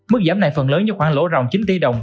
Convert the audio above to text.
mức giảm này phần lớn như khoảng lỗ rộng chín triệu đồng